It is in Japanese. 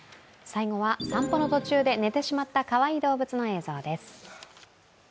最後は散歩の途中で寝てしまった、かわいい動物の映像です。